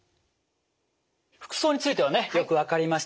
服装についてはねよく分かりました。